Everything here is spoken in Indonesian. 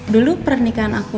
dulu pernikahan aku